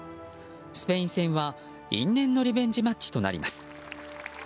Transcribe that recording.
スペイン戦は因縁のリベンジマッチとなります。